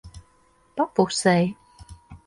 Pa pusei.